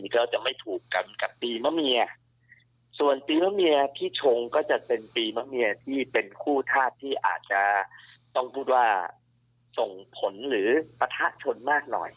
คนตีมะเมียที่ชงก็จะเป็นตีมะเมียที่เป็นคู่ธาตุที่อาจจะต้องพูดว่าส่งผลหรือประทะชนมากหน่อย